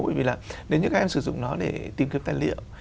bởi vì là nếu như các em sử dụng nó để tìm kiếm tài liệu